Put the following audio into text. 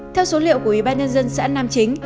theo số liệu của y tế xã nam chính